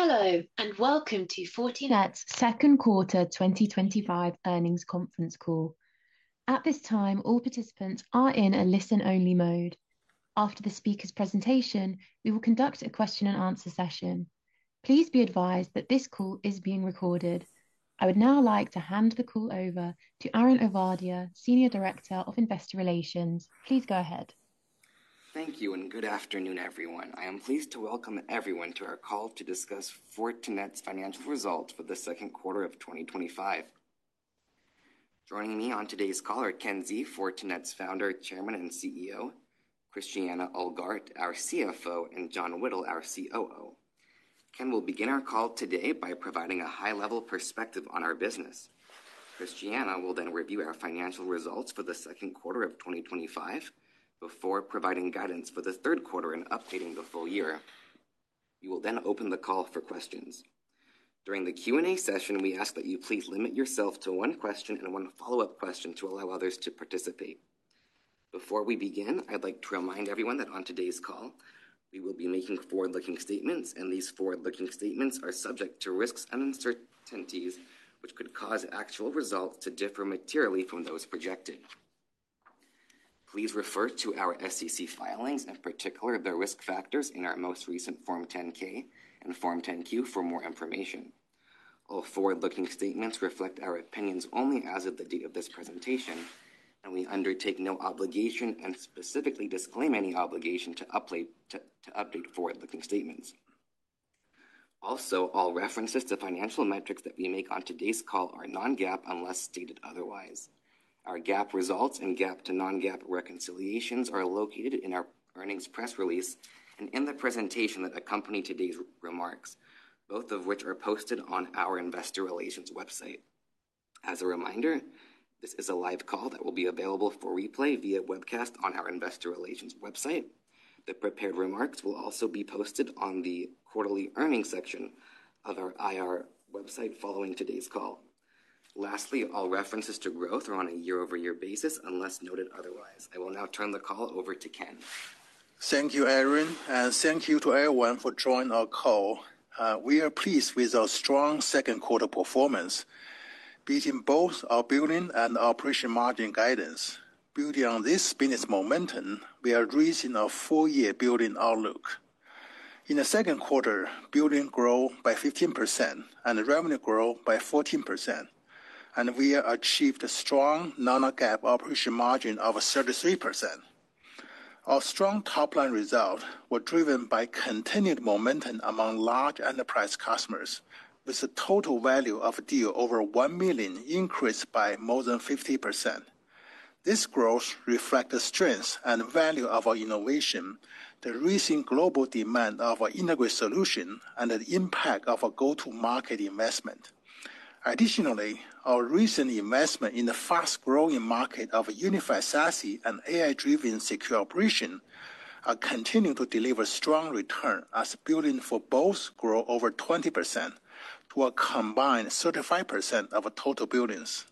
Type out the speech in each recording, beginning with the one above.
Hello and welcome to Fortinet's second quarter 2025 earnings conference call. At this time, all participants are in a listen-only mode. After the speaker's presentation, we will conduct a question and answer session. Please be advised that this call is being recorded. I would now like to hand the call over to Aaron Ovadia, Senior Director of Investor Relations. Please go ahead. Thank you and good afternoon everyone. I am pleased to welcome everyone to our call to discuss Fortinet's financial results for the second quarter of 2025. Joining me on today's call are Ken Xie, Fortinet's Founder, Chairman and CEO, Christiane Ohlgart, our CFO, and John Whittle, our COO. Ken will begin our call today by providing a high-level perspective on our business. Christiane will then review our financial results for the second quarter of 2025 before providing guidance for the third quarter and updating the full year. We will then open the call for questions during the Q&A session. We ask that you please limit yourself to one question and one follow-up question to allow others to participate. Before we begin, I'd like to remind everyone that on today's call we will be making forward-looking statements and these forward-looking statements are subject to risks and uncertainties which could cause actual results to differ materially from those projected. Please refer to our SEC filings, in particular the risk factors in our most recent Form 10-K and Form 10-Q for more information. All forward-looking statements reflect our opinions only as of the date of this presentation and we undertake no obligation and specifically disclaim any obligation to update forward-looking statements. Also, all references to financial metrics that we make on today's call are non-GAAP unless stated otherwise. Our GAAP results and GAAP to non-GAAP reconciliations are located in our earnings press release and in the presentation that accompany today's remarks, both of which are posted on our investor relations website. As a reminder, this is a live call that will be available for replay via webcast on our investor relations website. The prepared remarks will also be posted on the quarterly earnings section of our IR website following today's call. Lastly, all references to growth are on a year-over-year basis unless noted otherwise. I will now turn the call over to Ken. Thank you, Aaron, and thank you to everyone for joining our call. We are pleased with our strong second quarter performance, beating both our billings and operating margin guidance. Building on this business momentum, we are reaching a four-year billings outlook. In the second quarter, billings grew by 15% and revenue grew by 14%, and we achieved a strong non-GAAP operating margin of 33%. Our strong top line results were driven by continued momentum among large enterprise customers, with the total value of deals over $1 million increased by more than 50%. This growth reflects the strength and value of our innovation, the recent global demand of our integrated solution, and the impact of a go-to-market investment. Additionally, our recent investment in the fast-growing market of Unified SASE and AI-driven secure operations are continuing to deliver strong return as billings for both grew over 20% for a combined 35% of total billings.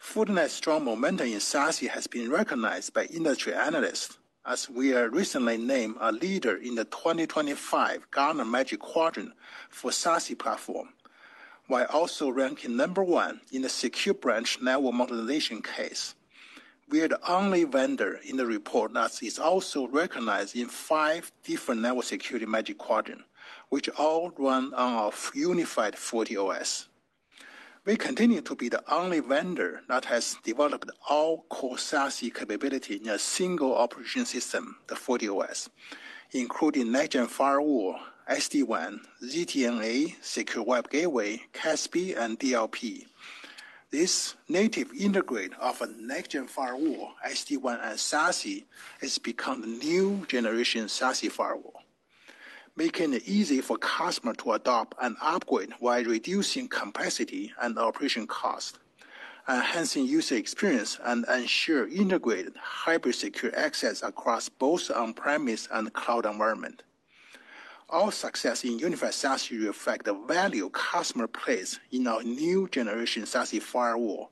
Fortinet's strong momentum in SASE has been recognized by industry analysts as we were recently named a leader in the 2025 Gartner Magic Quadrant for SASE platform while also ranking number one in the secure branch network modernization case. We are the only vendor in the report that is also recognized in five different network security Magic Quadrant, which all run off unified FortiOS. We continue to be the only vendor that has developed all core SASE capability in a single operating system, the FortiOS, including Next Gen Firewall, SD-WAN, ZTNA, Secure Web Gateway, CASB, and DLP. This native integration of Next Gen Firewall, SD-WAN, and SASE has become the new generation SASE firewall, making it easy for customers to adopt and upgrade while reducing capacity and operation cost, enhancing user experience, and ensuring integrated hyper-secure access across both on-premise and cloud environment. Our success in Unified SASE reflects the value customers place in our new generation SASE firewall,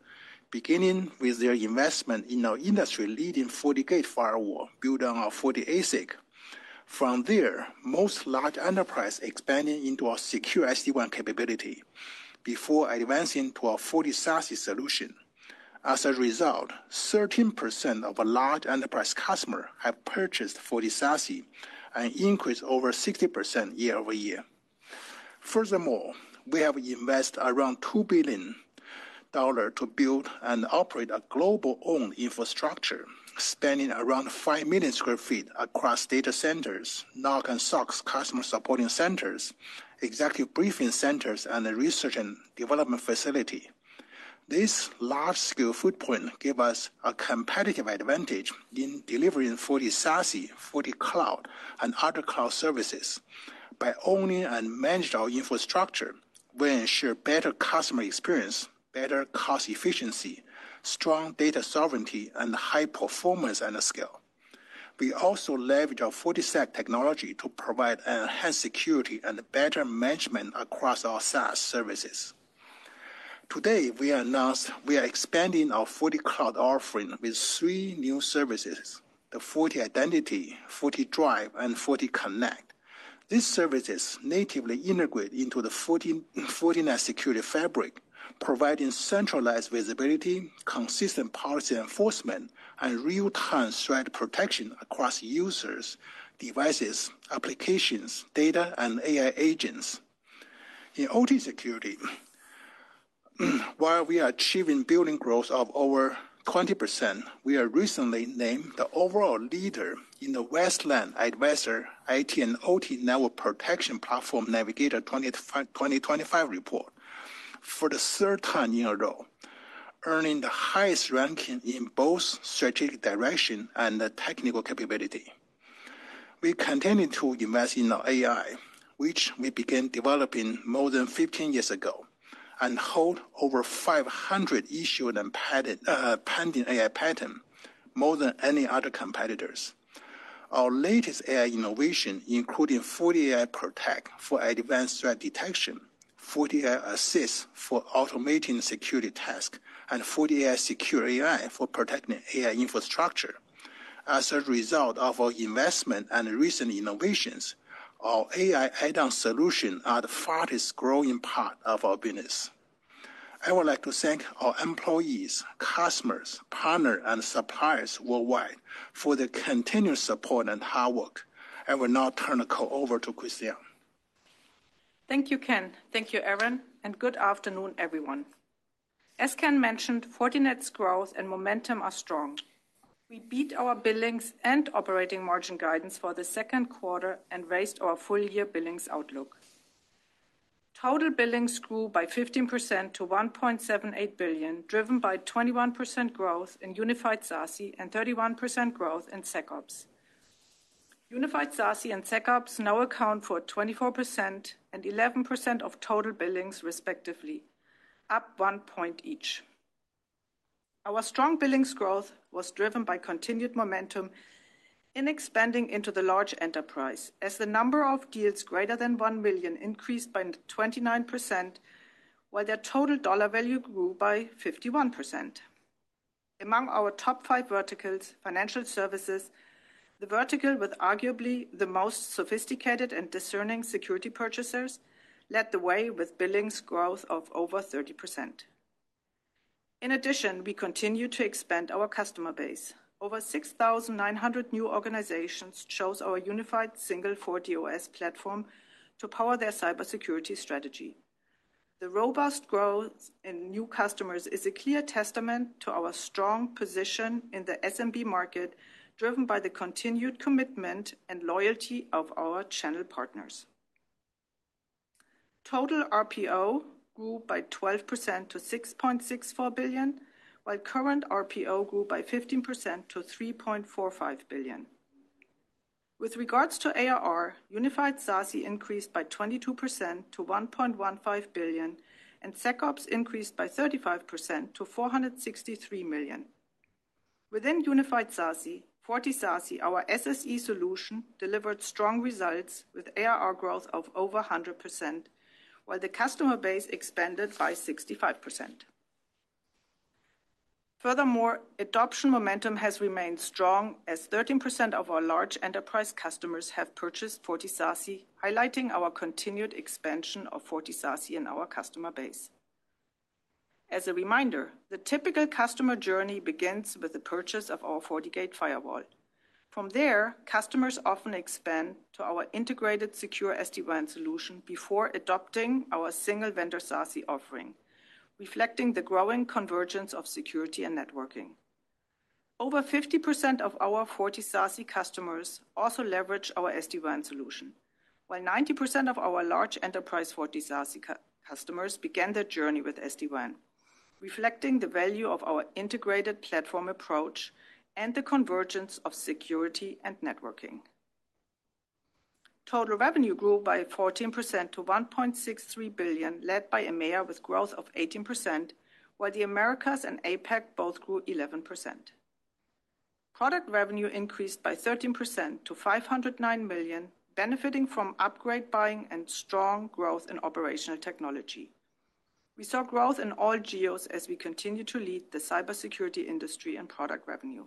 beginning with their investment in our industry-leading FortiGate firewall built on a FortiASIC. From there, most large enterprise expanding into a secure SD-WAN capability before advancing to a FortiSASE solution. As a result, 13% of large enterprise customers have purchased FortiSASE, an increase of over 60% year-over-year. Furthermore, we have invested around $2 billion to build and operate a global owned infrastructure spanning around 5 million sq ft across data centers, NOC and SOC, customer support centers, executive briefing centers, and a research and development facility. This large-scale footprint gives us a competitive advantage in delivering FortiSASE, FortiCloud, and other cloud services. By owning and managing our infrastructure, we ensure better customer experience, better cost efficiency, strong data sovereignty, and high performance and scale. We also leverage our Fortisec technology to provide enhanced security and better management across our SaaS services. Today we announced we are expanding our FortiCloud offering with three new services, the FortiIdentity, FortiDrive, and FortiConnect. These services natively integrate into the Fortinet Security Fabric, providing centralized visibility, consistent policy enforcement, and real-time threat protection across users, devices, applications, data, and AI agents in operational technology (OT) security. While we are achieving billings growth of over 20%, we were recently named the overall leader in the Westland Advisor IT & OT Network Protection Platform Navigator 2025 report for the third time in a row, earning the highest ranking in both strategic direction and technical capability. We continue to invest in AI, which we began developing more than 15 years ago, and hold over 500 issued and pending AI patents, more than any other competitors. Our latest AI innovations include FortiAI for advanced threat detection, FortiAssist for automating security tasks, and FortiAI Secure AI for protecting AI infrastructure. As a result of our investment and recent innovations, our AI add-on solutions are the fastest growing part of our business. I would like to thank our employees, customers, partners, and suppliers worldwide for their continuous support and hard work. I will now turn the call over to Christiane. Thank you Ken, thank you Aaron, and good afternoon everyone. As Ken mentioned, Fortinet's growth and momentum are strong. We beat our billings and operating margin guidance for the second quarter and raised our full year billings outlook. Total billings grew by 15% to $1.78 billion, driven by 21% growth in Unified SASE and 31% growth in SecOps. Unified SASE and SecOps now account for 24% and 11% of total billings, respectively, up 1 point each. Our strong billings growth was driven by continued momentum in expanding into the large enterprise as the number of deals greater than $1 million increased by 29% while their total dollar value grew by 51%. Among our top five verticals, financial services, the vertical with arguably the most sophisticated and discerning security purchasers, led the way with billings growth of over 30%. In addition, we continue to expand our customer base. Over 6,900 new organizations chose our unified single FortiOS platform to power their cybersecurity strategy. The robust growth in new customers is a clear testament to our strong position in the SMB market, driven by the continued commitment and loyalty of our channel partners. Total RPO grew by 12% to $6.64 billion while current RPO grew by 15% to $3.45 billion. With regards to ARR, Unified SASE increased by 22% to $1.15 billion and SecOps increased by 35% to $463 million. Within Unified SASE, FortiSASE, our SSE solution, delivered strong results with ARR growth of over 100% while the customer base expanded by 65%. Furthermore, adoption momentum has remained strong as 13% of our large enterprise customers have purchased FortiSASE, highlighting our continued expansion of FortiSASE in our customer base. As a reminder, the typical customer journey begins with the purchase of our FortiGate firewall. From there, customers often expand to our integrated secure SD-WAN solution before adopting our single vendor SASE offering, reflecting the growing convergence of security and networking. Over 50% of our FortiSASE customers also leverage our SD-WAN solution, while 90% of our large enterprise FortiSASE customers began their journey with SD-WAN, reflecting the value of our integrated platform approach and the convergence of security and networking. Total revenue grew by 14% to $1.63 billion, led by EMEA with growth of 18%, while the Americas and APAC both grew 11%. Product revenue increased by 13% to $509 million, benefiting from upgrade buying and strong growth in operational technology. We saw growth in all GEOs as we continue to lead the cybersecurity industry and product revenue.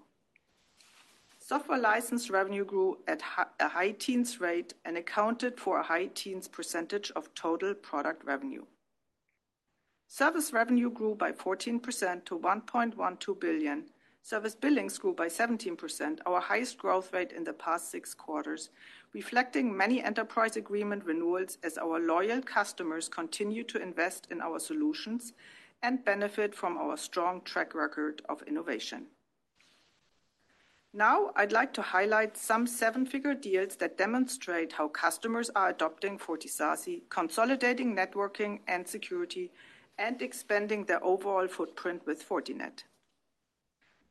Software license revenue grew at a high teens rate and accounted for a high teens percentage of total product revenue. Service revenue grew by 14% to $1.12 billion. Service billings grew by 17%, our highest growth rate in the past six quarters, reflecting many enterprise agreement renewals as our loyal customers continue to invest in our solutions and benefit from our strong track record of innovation. Now I'd like to highlight some seven-figure deals that demonstrate how customers are adopting FortiSASE, consolidating networking and security, and expanding their overall footprint with Fortinet.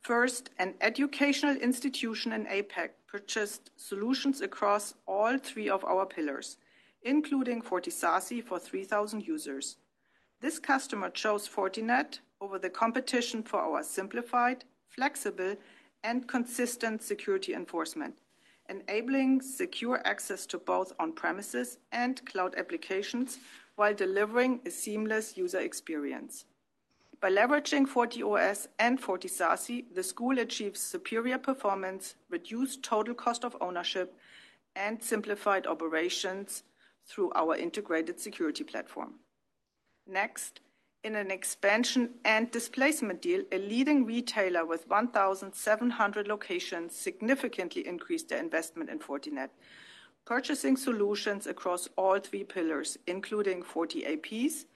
First, an educational institution in APAC purchased solutions across all three of our pillars, including FortiSASE for 3,000 users. This customer chose Fortinet over the competition for our simplified, flexible, and consistent security enforcement, enabling secure access to both on-premises and cloud applications while delivering a seamless user experience. By leveraging FortiOS and FortiSASE, the school achieves superior performance, reduced total cost of ownership, and simplified operations through our integrated security platform. Next, in an expansion and displacement deal, a leading retailer with 1,700 locations significantly increased their investment in Fortinet, purchasing solutions across all three pillars, including FortiAPs,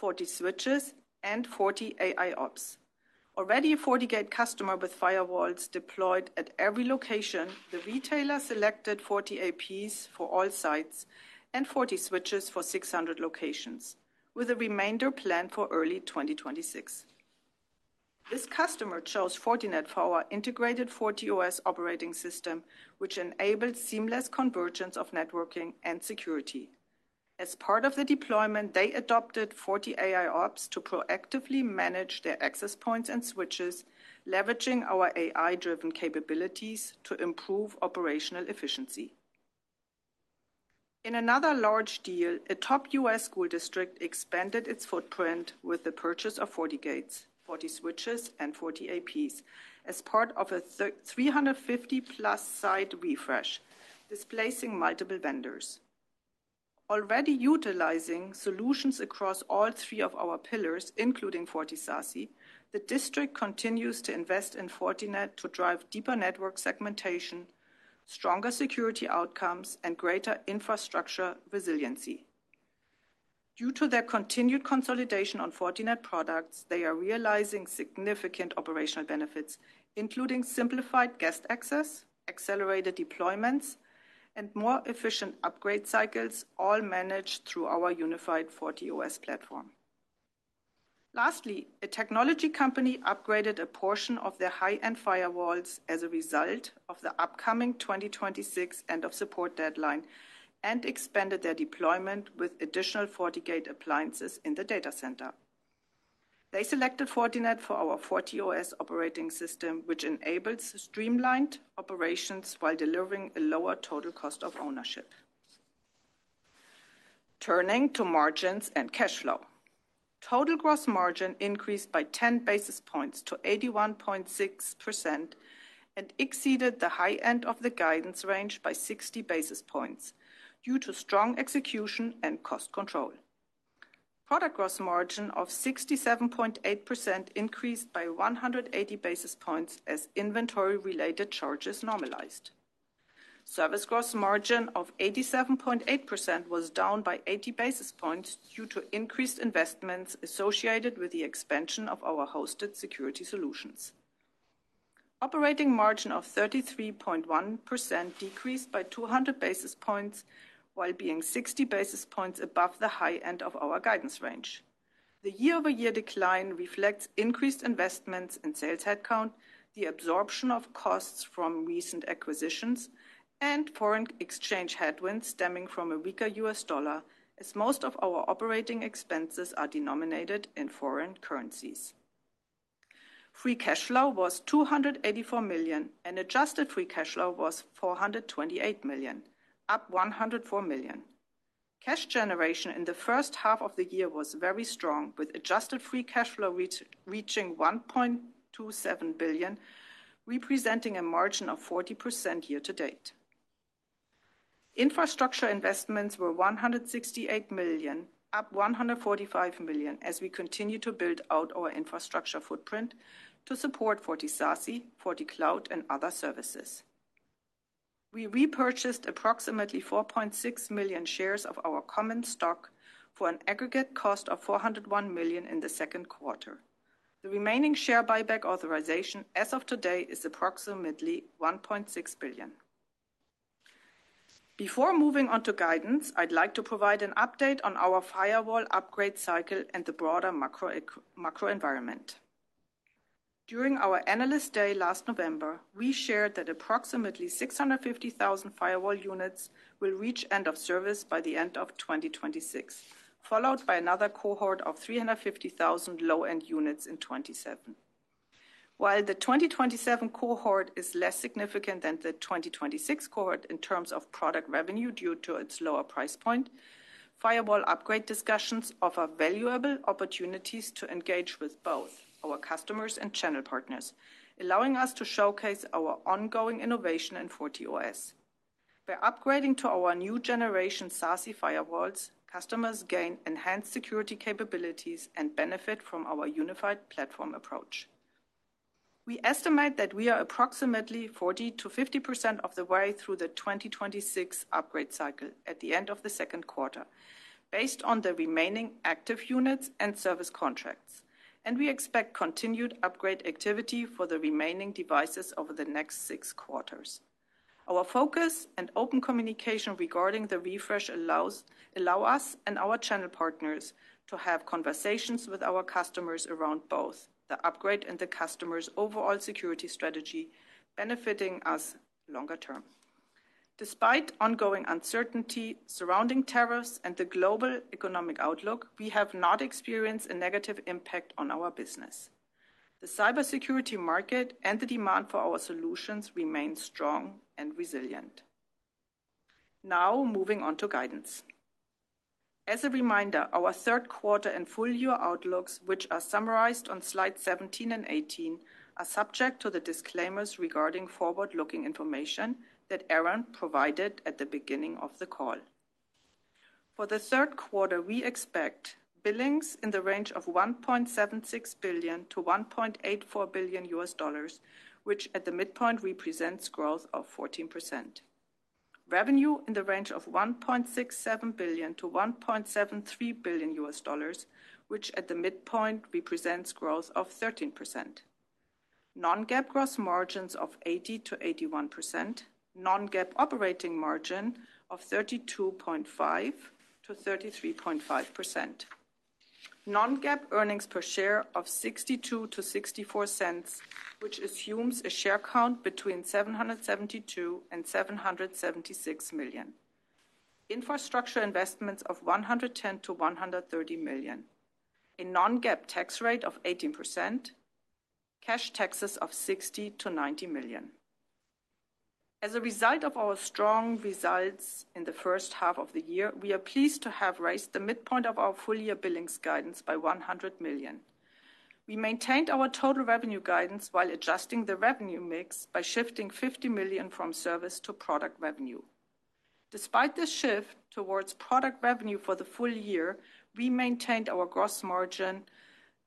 FortiSwitches, and FortiAIOps. Already a FortiGate customer with firewalls deployed at every location, the retailer selected FortiAPs for all sites and FortiSwitches for 600 locations, with the remainder planned for early 2026. This customer chose Fortinet for our integrated FortiOS operating system, which enables seamless convergence of networking and security. As part of the deployment, they adopted FortiAIOps to proactively manage their access points and switches, leveraging our AI-driven capabilities to improve operational efficiency. In another large deal, a top U.S. school district expanded its footprint with the purchase of FortiGates, FortiSwitches, and FortiAPs as part of a 350+ site refresh, displacing multiple vendors. Already utilizing solutions across all three of our pillars, including FortiSASE, the district continues to invest in Fortinet to drive deeper network segmentation, stronger security outcomes, and greater infrastructure resiliency. Due to their continued consolidation on Fortinet products, they are realizing significant operational benefits including simplified guest access, accelerated deployments, and more efficient upgrade cycles, all managed through our unified FortiOS platform. Lastly, a technology company upgraded a portion of their high-end firewalls as a result of the upcoming 2026 end of service deadline and expanded their deployment with additional FortiGate appliances in the data center. They selected Fortinet for our FortiOS operating system, which enables streamlined operations while delivering a lower total cost of ownership. Turning to margins and cash flow, total gross margin increased by 10 basis points to 81.6% and exceeded the high end of the guidance range by 60 basis points due to strong execution and cost control. Product gross margin of 67.8% increased by 180 basis points as inventory-related charges normalized. Service gross margin of 87.8% was down by 80 basis points due to increased investments associated with the expansion of our hosted security solutions. Operating margin of 33.1% decreased by 200 basis points while being 60 basis points above the high end of our guidance range. The year-over-year decline reflects increased investments in sales headcount, the absorption of costs from recent acquisitions, and foreign exchange headwinds stemming from a weaker U.S. Dollar as most of our operating expenses are denominated in foreign currencies. Free cash flow was $284 million and adjusted free cash flow was $428 million, up $104 million. Cash generation in the first half of the year was very strong with adjusted free cash flow reaching $1.27 billion, representing a margin of 40% year to date. Infrastructure investments were $168 million, up $145 million. As we continue to build out our infrastructure footprint to support FortiSASE for the cloud and other services, we repurchased approximately 4.6 million shares of our common stock for an aggregate cost of $401 million in the second quarter. The remaining share buyback authorization as of today is approximately $1.6 billion. Before moving on to guidance, I'd like to provide an update on our firewall refresh cycle and the broader macroeconomic environment. During our analyst day last November, we shared that approximately 650,000 firewall units will reach end of service by the end of 2026, followed by another cohort of 350,000 low-end units in 2027. While the 2027 cohort is less significant than the 2026 cohort in terms of product revenue due to its lower price point, firewall upgrade discussions offer valuable opportunities to engage with both our customers and channel partners, allowing us to showcase our ongoing innovation in FortiOS. By upgrading to our new generation SASE firewalls, customers gain enhanced security capabilities and benefit from our unified platform approach. We estimate that we are approximately 40%-50% of the way through the 2026 upgrade cycle at the end of the second quarter based on the remaining active units and service contracts, and we expect continued upgrade activity for the remaining devices over the next six quarters. Our focus and open communication regarding the refresh allow us and our channel partners to have conversations with our customers around both the upgrade and the customer's overall security strategy, benefiting us longer term. Despite ongoing uncertainty surrounding tariffs and the global economic outlook, we have not experienced a negative impact on our business. The cybersecurity market and the demand for our solutions remain strong and resilient. Now moving on to guidance. As a reminder, our third quarter and full year outlooks, which are summarized on slides 17 and 18, are subject to the disclaimers regarding forward-looking information that Aaron provided at the beginning of the call. For the third quarter, we expect billings in the range of $1.76 billion-$1.84 billion, which at the midpoint represents growth of 14%. Revenue in the range of $1.67 billion-$1.73 billion, which at the midpoint represented growth of 13%. Non-GAAP gross margins of 80%-81%, non-GAAP operating margin of 32.5%-33.5%, non-GAAP earnings per share of $0.62-$0.64, which assumes a share count between 772 million and 776 million. Infrastructure investments of $110 million-$130 million, a non-GAAP tax rate of 18%, cash taxes of $60 million-$90 million. As a result of our strong results in the first half of the year, we are pleased to have raised the midpoint of our full year billings guidance by $100 million. We maintained our total revenue guidance while adjusting the revenue mix by shifting $50 million from service to product revenue. Despite this shift towards product revenue for the full year, we maintained our gross margin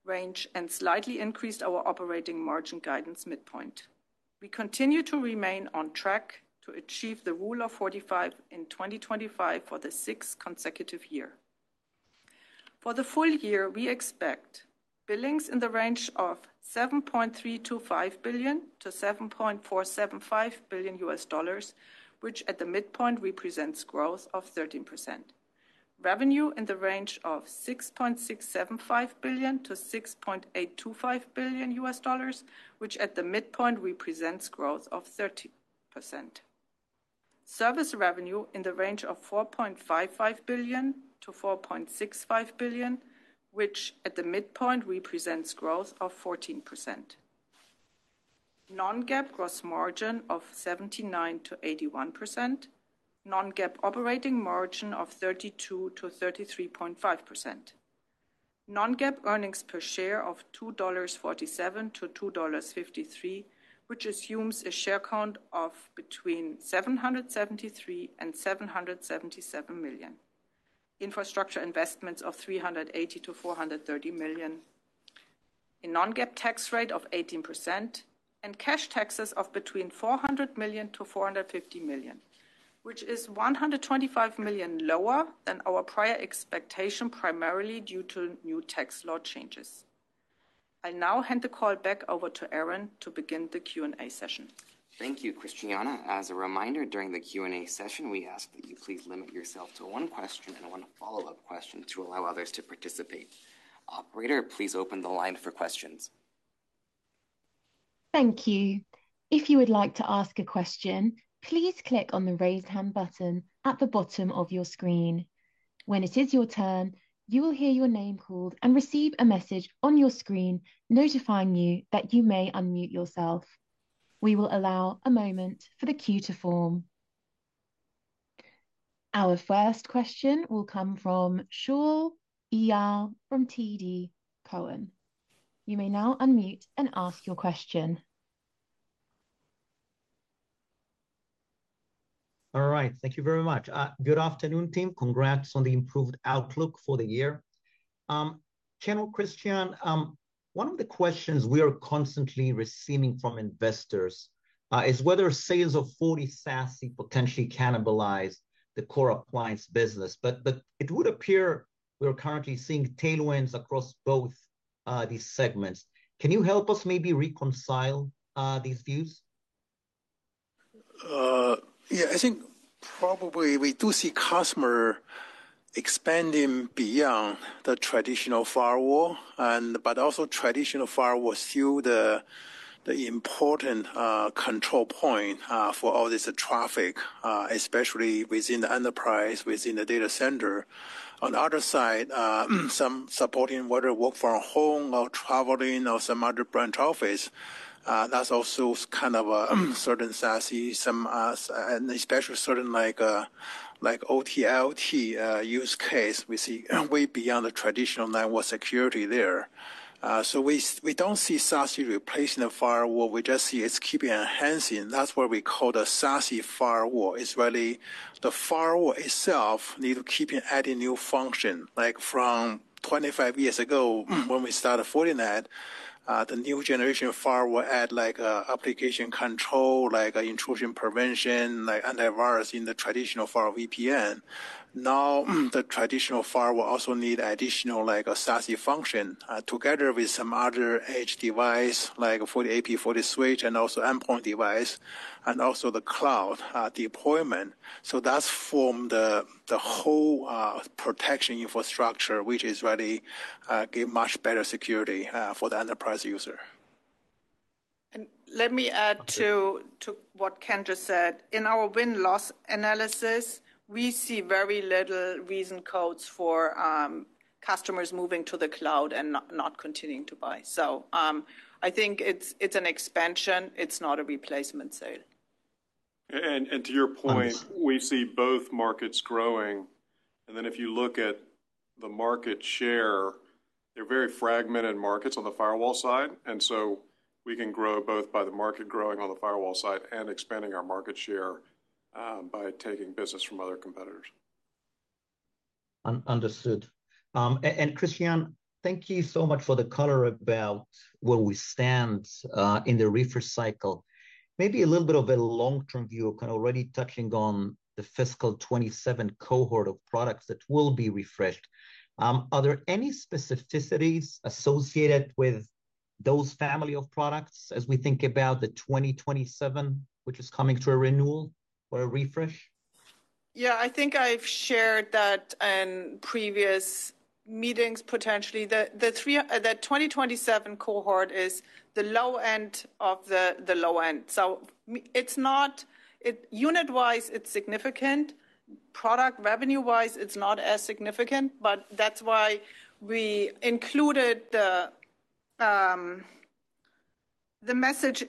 range and slightly increased our operating margin guidance midpoint. We continue to remain on track to achieve the Rule of 45 in 2025 for the sixth consecutive year. For the full year we expect billings in the range of $7.325 billion-$7.475 billion, which at the midpoint represents growth of 13%. Revenue in the range of $6.675 billion-$6.825 billion, which at the midpoint represents growth of 13%. Service revenue in the range of $4.55 billion-$4.65 billion, which at the midpoint represents growth of 14%. Non-GAAP gross margin of 79%-81%, non-GAAP operating margin of 32%-33.5%, non-GAAP earnings per share of $2.47-$2.53, which assumes a share count of between 773 million and 777 million. Infrastructure investments of $380 million-$430 million, a non-GAAP tax rate of 18%, and cash taxes of between $400 million-$450 million, which is $125 million lower than our prior expectation, primarily due to new tax law changes. I now hand the call back over to Aaron to begin the Q and A session. Thank you, Christiane. As a reminder, during the Q&A session, we ask that you please limit yourself to one question and one follow-up question to allow others to participate. Operator, please open the line for questions. Thank you. If you would like to ask a question, please click on the raised hand button at the bottom of your screen. When it is your turn, you will hear your name called and receive a message on your screen notifying you that you may unmute yourself. We will allow a moment for the queue to form. Our first question will come from Shaul Eyal from TD Cowen. You may now unmute and ask your question. All right, thank you very much. Good afternoon, team. Congrats on the improved outlook for the year channel. Christiane, one of the questions we are constantly receiving from investors is whether sales of FortiSASE potentially cannibalize the core appliance business. It would appear we're currently seeing tailwinds across both these segments. Can you help us maybe reconcile these views? Yeah, I think probably we do see customers expanding beyond the traditional firewall, but also traditional firewall is still the important control point for all this traffic, especially within the enterprise, within the data center. On the other side, some supporting whether work from home or traveling or some other branch office, that's also kind of a certain SASE and especially certain like OT, LT use case. We see way beyond the traditional network security there, so we don't see SASE replacing the firewall, we just see it's keeping enhancing. That's what we call the SASE firewall. It's really the firewall itself needs to keep adding new function like from 25 years ago when we started Fortinet, the new generation firewall added like application control, like intrusion prevention, antivirus in the traditional file VPN. Now the traditional firewall will also need additional like SASE function together with some other edge device like FortiAP, FortiSwitch, and also endpoint device and also the cloud deployment. That's formed the whole protection infrastructure which is ready to give much better security for the enterprise user. Let me add to what Ken just said. In our win loss analysis, we see very little reason codes for customers moving to the cloud and not continuing to buy. I think it's an expansion, it's not a replacement sale. To your point, we see both markets growing, and if you look at the market share, they're very fragmented markets on the firewall side. We can grow both by the market growing on the firewall side and expanding our market share by taking business from other competitors. Understood. Christiane, thank you so much for the color. About where we stand in the refresh cycle, maybe a little bit of a long-term view. Kind of already touching on the fiscal 2027 cohort of products that will be refreshed. Are there any specificities associated with those family of products as we think about the 2027 which is coming to a renewal or a refresh? Yeah, I think I've shared that in previous meetings. Potentially the 2027 cohort is the low end of the low end. It's not unit wise, it's significant product revenue wise, it's not as significant. That's why we included the message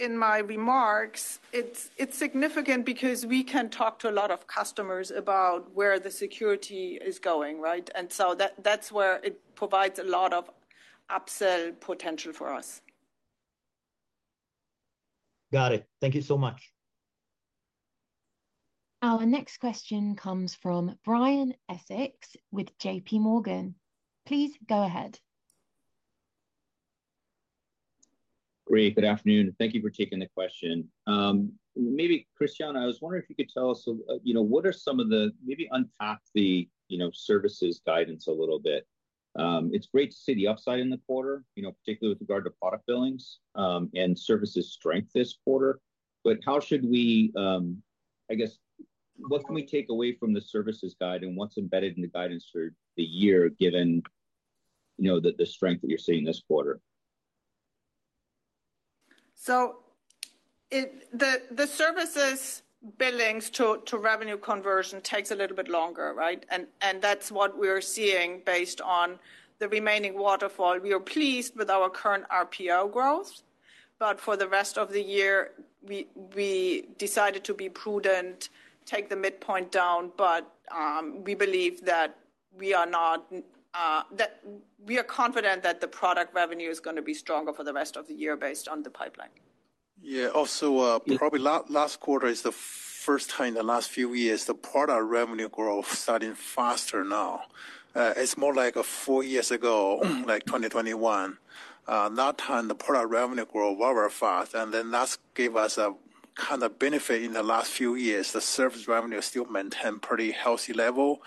in my remarks. It's significant because we can talk to a lot of customers about where the security is going, and that's where it provides a lot of upsell potential for us. Got it. Thank you so much. Our next question comes from Brian Essex with JPMorgan. Please go ahead. Great. Good afternoon. Thank you for taking the question. Maybe Christiane, I was wondering if you could tell us what are some of the maybe unpack the services guidance a little bit. It's great to see the upside in the quarter, particularly with regard to product billings and services strength this quarter. How should we, I guess what can we take away from the services guide and what's embedded in the guidance for the year given the strength that you're seeing this quarter. The services billings to revenue conversion takes a little bit longer. Right. That's what we are seeing based on the remaining waterfall. We are pleased with our current RPO growth. For the rest of the year, we decided to be prudent, take the midpoint down. We believe that we are confident that the product revenue is going to be stronger for the rest of the year based on the pipeline. Yeah. Also, probably last quarter is the first time in the last few years the product revenue growth starting faster. Now it's more like four years ago, like 2021. That time the product revenue grow very fast, and then that gave us a kind of benefit in the last few years. The service revenue still maintain pretty healthy level.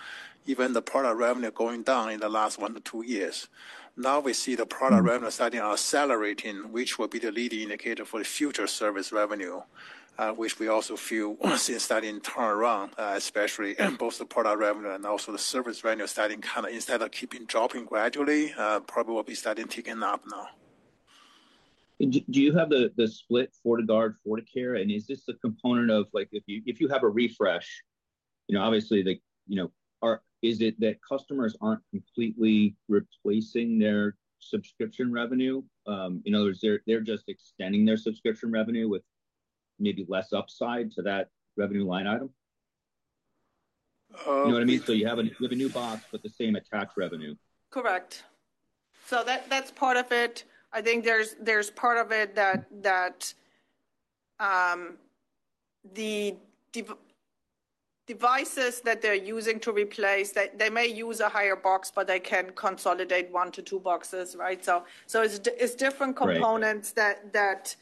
Even the product revenue going down in the last one to two years. Now we see the product revenue starting accelerating, which will be the leading indicator for the future service revenue, which we also feel seen starting turnaround, especially at both the product revenue and also the service revenue starting kind of instead of keeping dropping, probably will be starting to gain up. Now, do you have the split FortiGuard, FortiCare, and is this a component of like if you, if you have a refresh, you know, obviously they, you know, are. Is it that customers aren't completely replacing their subscription revenue? In other words, they're just extending their subscription revenue with maybe less upside to that revenue line item? You know what I mean? You have a new boss, but the same attached revenue. Correct. That's part of it. I think there's part of it that the devices that they're using to replace, they may use a higher box, but they can consolidate one to two boxes. It's different components that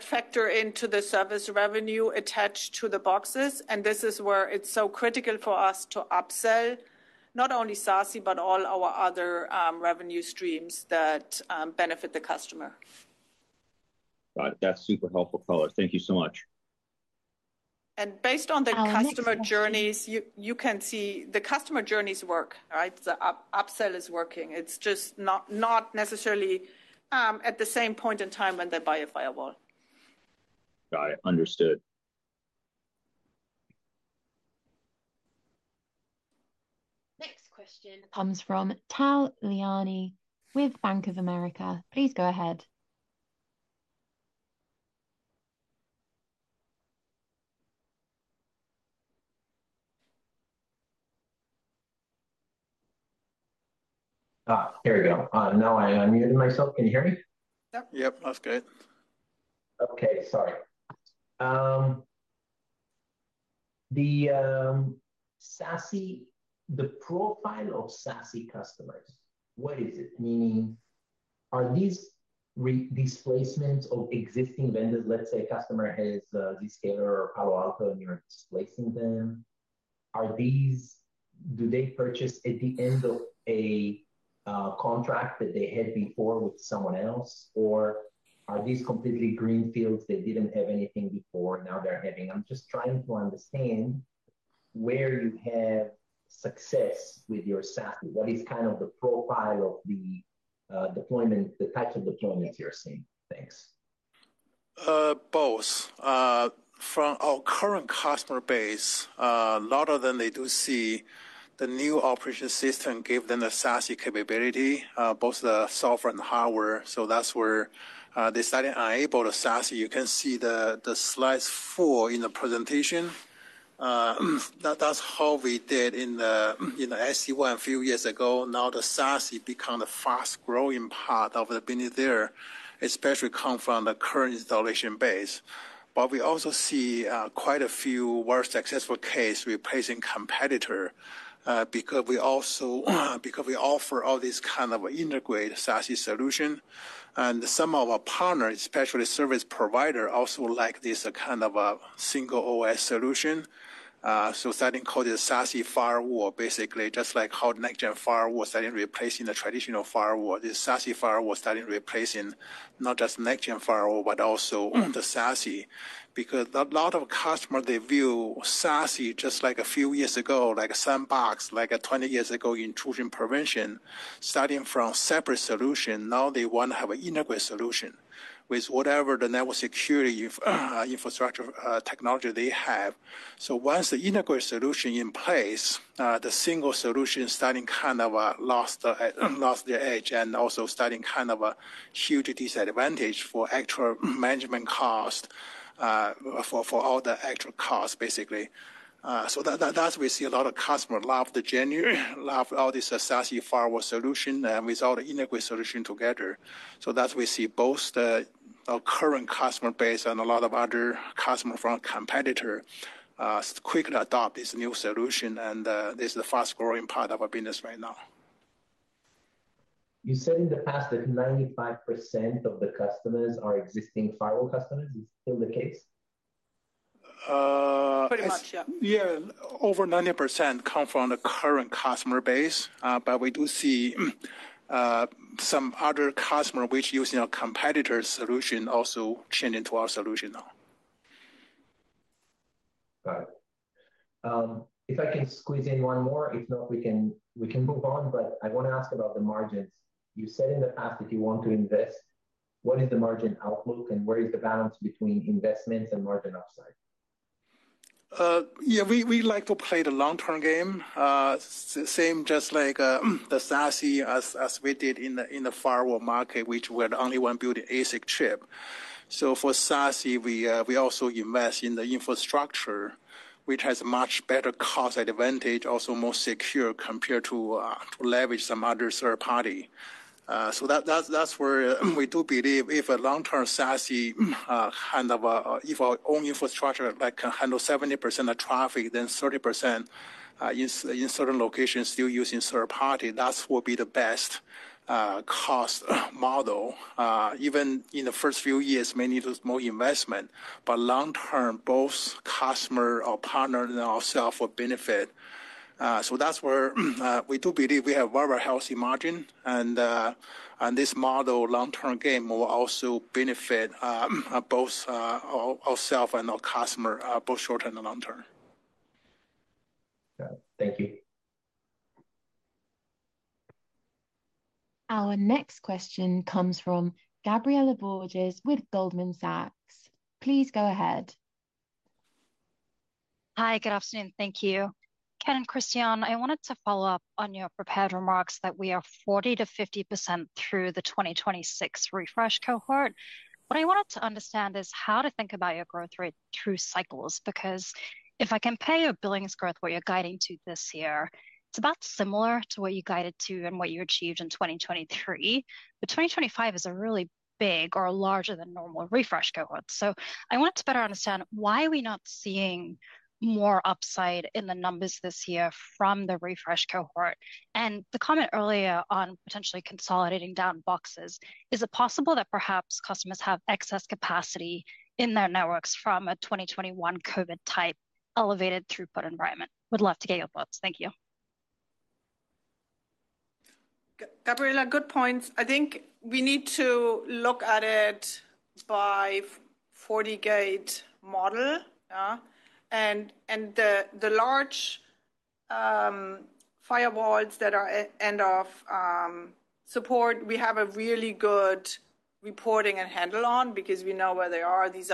factor into the service revenue attached to the boxes. This is where it's so critical for us to upsell not only SASE, but all our other revenue streams that benefit the customer. Got it. That's super helpful. Thank you so much. Based on the customer journeys, you can see the customer journeys work, right? The upsell is working. It's just not necessarily at the same point in time when they buy a firewall. Got it. Understood. Next question comes from Tal Liani with Bank of America. Please go ahead. Here we go. Now I unmuted myself. Can you hear me? Yep, that's good. Okay. Sorry. The SASE, the profile of SASE customers, what is it? Are these displacements of existing vendors? Let's say a customer has Zscaler, Palo Alto and you're displacing them. Do they purchase at the end of a contract that they had before with someone else or are these completely greenfields? They didn't have anything before, now they're having. I'm just trying to understand where you have success with your SASE. What is kind of the profile of the deployment, the types of deployments you're seeing. Thanks. Both from our current customer base, a lot of them, they do see the new operating system give them the SASE capability, both the software and hardware. That's where they started to enable the SASE. You can see the slides four in the presentation. That's how we did in the SE1 a few years ago. Now the SASE become the fast growing part of the business. There especially come from the current installation base. We also see quite a few very successful cases replacing competitor. Because we offer all these kind of integrated SASE solution and some of our partners, especially service provider, also like this kind of single OS solution, so starting called a SASE firewall. Basically, just like how next gen firewall starting replacing the traditional firewall, this SASE firewall starting replacing not just next gen firewall but also the SASE. A lot of customers, they view SASE just like a few years ago, like sandbox like 20 years ago. Intrusion prevention starting from separate solution. Now they want to have an integrated solution with whatever the network security infrastructure technology they have. Once the integrated solution in place, the single solution starting kind of lost the edge and also starting kind of a huge disadvantage for actual management cost, for all the actual cost basically. We see a lot of customers love the genuine love all this SASE firewall solution with all the integrated solution together. We see both the current customer base and a lot of other customer from competitor quickly adopt this new solution. This is the fast growing part of our business right now. You said in the past that 95% of the customers are existing firewall customers. Is it still the case? Pretty much, yeah. Over 90% come from the current customer base. We do see some other customer which using our competitor's solution also change into our solution now. If I can squeeze in one more, if not, we can move on. I want to ask about the margins. You said in the past that you want to invest. What is the margin outlook, and where is the balance between investments and margin offside? Yeah, we like to play the long-term game, same just like the SASE as we did in the firewall market, which we're the only one building ASIC chip. For SASE, we also invest in the infrastructure, which has much better cost advantage, also more secure compared to leverage some other third party. That's where we do believe if a long-term SASE kind of own infrastructure that can handle 70% of traffic, then 30% in certain locations still using third party, that will be the best cost model. Even in the first few years, many more investment, but long-term both customer or partner and ourselves will benefit. That's where we do believe we have very healthy margin, and this model, long-term game, will also benefit both ourselves and our customer both short-term and long-term. Thank you. Our next question comes from Gabriela Borges with Goldman Sachs. Please go ahead. Hi, good afternoon. Thank you Ken and Christiane. I wanted to follow up on your prepared remarks that we are 40%-50% through the 2026 refresh cohort. What I wanted to understand is how to think about your growth rate through cycles because if I compare your billings growth, what you're guiding to this year, it's about similar to what you guided to and what you achieved in 2023. 2025 is a really big or larger than normal refresh cohort. I want to better understand why are we not seeing more upside in the numbers this year from the refresh cohort and the comment earlier on potentially consolidating down boxes. Is it possible that perhaps customers have excess capacity in their networks from a 2021 COVID-type elevated throughput environment? Would love to get your thoughts. Thank you. Gabriela, good points. I think we need to look at it by FortiGate model and the large firewalls that are end of support. We have a really good reporting and handle on because we know where they are. These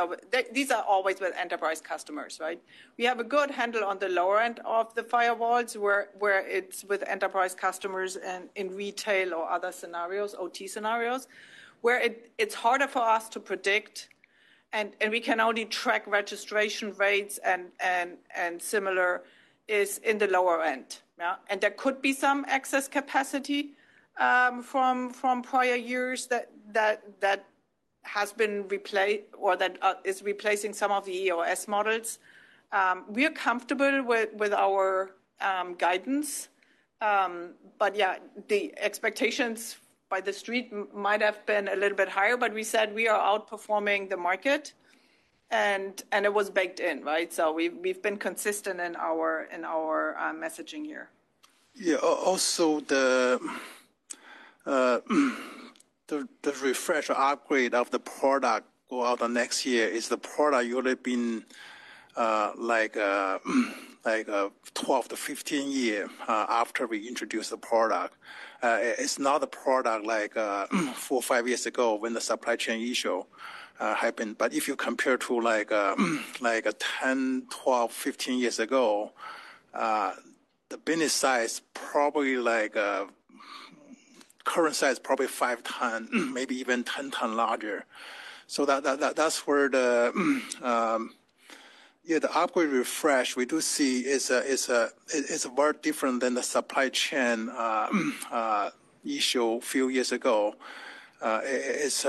are always with enterprise customers. Right. We have a good handle on the lower end of the firewalls where it's with enterprise customers in retail or other scenarios, OT scenarios where it's harder for us to predict, and we can only track registration rates. Similar is in the lower end, and there could be some excess capacity from prior years that has been replaced or that is replacing some of the EOS models. We are comfortable with our guidance, but yeah, the expectations by the street might have been a little bit higher, but we said we are outperforming the market and it was baked in. Right. We have been consistent in our messaging here. Yeah. Also. The refresh upgrade of the product go out the next year is the product you've been like 12-15 years after we introduced the product, it's not a product like four or five years ago when the supply chain issue happened. If you compare to like 10, 12, 15 years ago, the business size probably like current size, probably five times, maybe even 10 times larger. That's where the upgrade refresh, we do see it's very different than the supply chain issue a few years ago, it's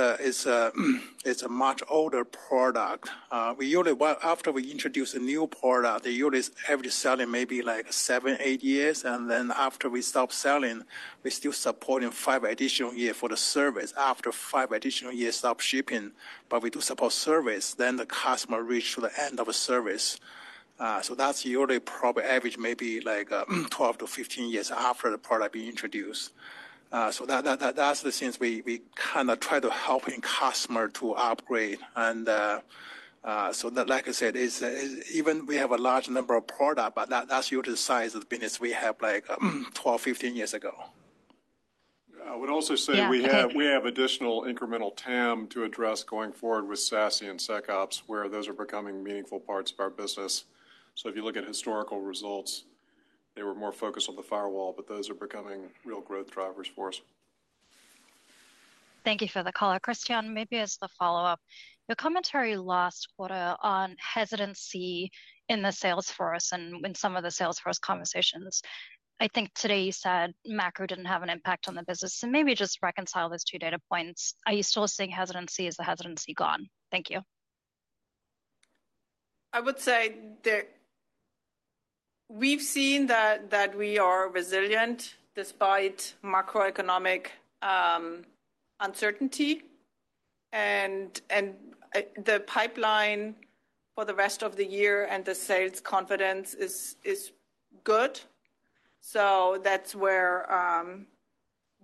a much older product. After we introduce a new product, they usually have to sell in maybe like seven, eight years, and then after we stop selling, we still supporting five additional years for the service after five additional years of shipping. We do support service, then the customer reach to the end of a service. That's usually probably average maybe like 12-15 years after the product being introduced. That's the things we kind of try to help in customer to upgrade. Like I said, even we have a large number of product, but that's due to the size of the business we have like 12, 15 years ago. I would also say we have additional incremental addressable market to address going forward with SASE and SecOps, where those are becoming meaningful parts of our business. If you look at historical results, they were more focused on the firewall, but those are becoming real growth drivers for us. Thank you for the call, Christiane. Maybe as the follow up, your commentary last quarter on hesitancy in the Salesforce and in some of the Salesforce conversations, I think today you said macro didn't have an impact on the business. Maybe just reconcile those two data points. Are you still seeing hesitancy? Is the hesitancy gone? Thank you. I would say we've seen that we are resilient despite macroeconomic uncertainty, and the pipeline for the rest of the year and the sales confidence is good. That's where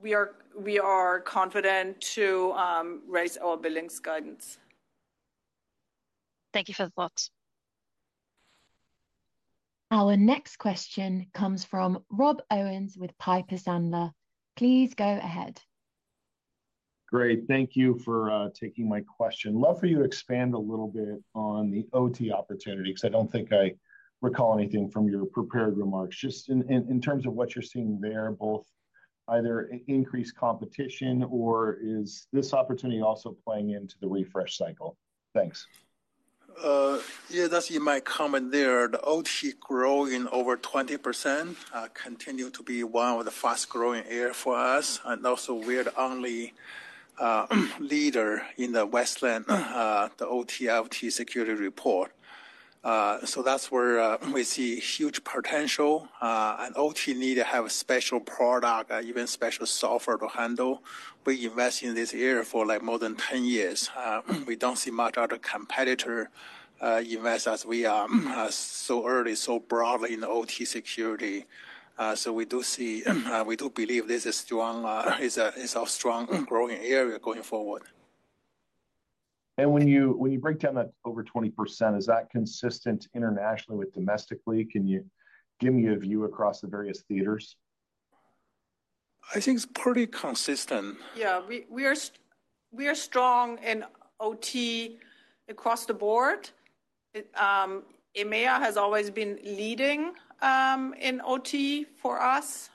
we are confident to raise our billings guidance. Thank you for the thoughts. Our next question comes from Rob Owens with Piper Sandler. Please go ahead. Great. Thank you for taking my question. Love for you to expand a little bit on the OT opportunity because I don't think I recall anything from your prepared remarks. Just in terms of what you're seeing there, both either increased competition or is this opportunity also playing into the refresh cycle? Thanks. Yeah, that's in my comment there. The OT growing over 20% continues to be one of the fast growing areas for us, and also we are the only leader in the Westland, the OT/IT security report. That's where we see huge potential, and OT needs to have a special product, even special software to handle. We invest in this area for like more than 10 years. We don't see much other competitor invest as we are so early, so broadly in OT security. We do see, we do believe this is strong, it's a strong growing area going forward. When you break down that over 20%, is that consistent internationally with domestically? Can you give me a view across the various theaters? I think it's pretty consistent. Yeah. We are strong in OT across the board. EMEA has always been leading in OT for us.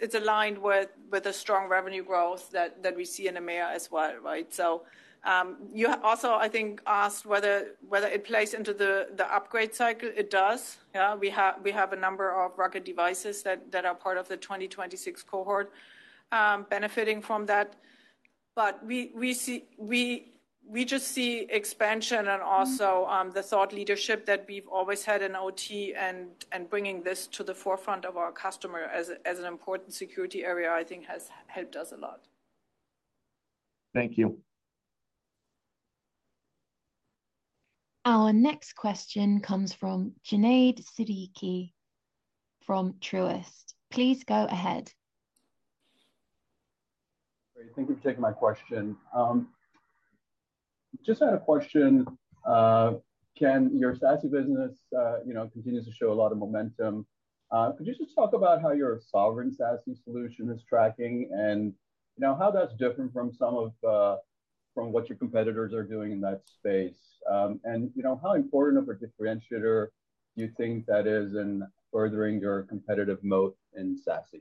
It's aligned with the strong revenue growth that we see in EMEA as well. You also, I think, asked whether it plays into the upgrade cycle. It does. We have a number of rugged devices that are part of the 2026 cohort benefiting from that. We just see expansion and also the thought leadership that we've always had in OT, and bringing this to the forefront of our customer as an important security area I think has helped us a lot. Thank you. Our next question comes from Junaid Siddiqui from Truist. Please go ahead. Great. Thank you for taking my question. Just had a question. Can your SASE business, you know, continues to show a lot of momentum. Could you just talk about how your sovereign SASE solution is tracking and now how that's different from some of, from what your competitors are doing in that space, and you know how important of a differentiator you think that is in furthering your competitive moat in SASE.